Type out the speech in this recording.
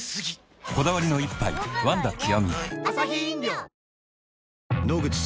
こだわりの一杯「ワンダ極」